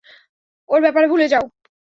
ওর ব্যাপারে ভুলে যাও।